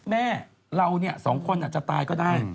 แม่เราเนี่ย๒คนอาจจะตายก็ได้